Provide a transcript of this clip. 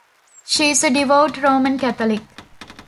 She is a devout Roman Catholic.